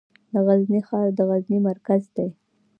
د غزني ښار د غزني مرکز دی